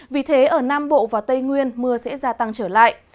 vì thế ở nam bộ và tây nguyên mưa sẽ gia tăng trở lại